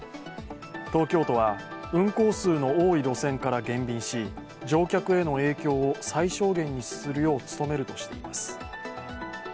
東京都は運行数の多い路線から減便し、乗客への影響を最小限にするよう努めるとしています。